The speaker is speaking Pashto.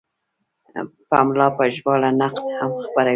پملا په ژباړه نقد هم خپروي.